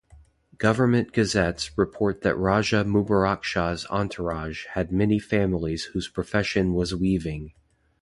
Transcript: Government gazettes report that Raja Mubaraksha's entourage had many families whose profession was weaving.